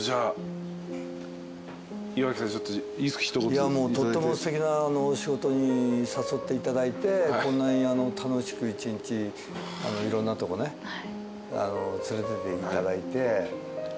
いやとってもすてきな仕事に誘っていただいてこんなに楽しく一日いろんなとこ連れてっていただいて。